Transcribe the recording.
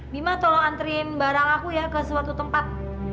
bima tolong antriin barang aku ya ke suatu tempat